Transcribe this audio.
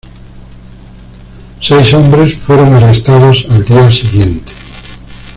Seis hombres fueron arrestados al día siguiente.